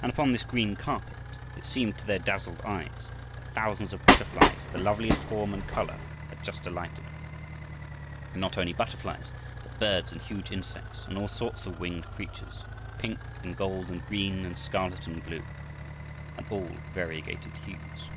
And upon this green carpet it seemed to their dazzled eyes that thousands of butterflies of the loveliest form and color had just alighted. And not only butterflies, but birds and huge insects and all sorts of winged creatures, pink and gold and green and scarlet and blue, and all variegated hues.